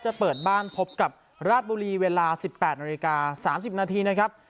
จะเปิดบ้านพบกับราชบุรีเวลาสิบแปดนาฬิกาสามสิบนาทีนะครับ